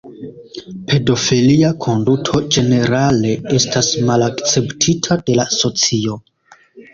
Pedofilia konduto ĝenerale estas malakceptita de la socio.